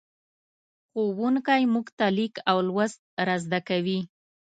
ښوونکی موږ ته لیک او لوست را زدهکوي.